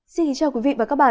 xin chào quý vị và các bạn